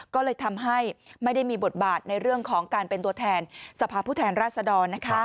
ก็เลยทำให้ไม่ได้มีบทบาทในเรื่องของการเป็นตัวแทนสภาพผู้แทนราชดร